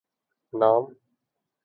نام؟